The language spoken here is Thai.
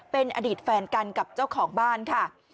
เป็นอดีตแฟนกันกับเจ้าของบ้านค่ะ